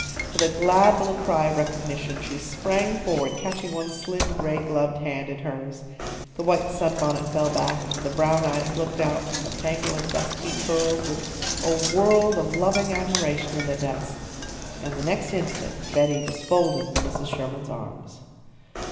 With a glad little cry of recognition she sprang forward, catching one slim gray gloved hand in hers. The white sunbonnet fell back, the brown eyes looked out from a tangle of dusky curls with a world of loving admiration in their depths, and the next instant Betty was folded in Mrs. Sherman's arms.